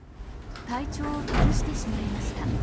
体調を崩してしまいました。